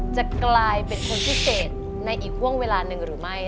จะกลายเป็นคนพิเศษในอีกห่วงเวลาหนึ่งหรือไม่